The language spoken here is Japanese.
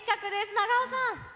長尾さん。